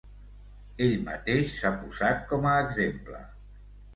Ell mateix s'ha posat com a exemple.